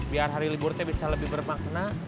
biar hari libur teh bisa lebih bermakna